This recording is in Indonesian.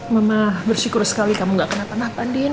mama bersyukur sekali kamu gak kena pandin